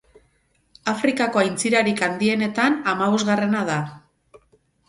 Afrikako aintzirarik handienetan hamabosgarrena da.